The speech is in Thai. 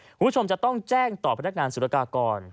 คุณผู้ชมจะต้องแจ้งต่อพนักงานศูนยากาก่อน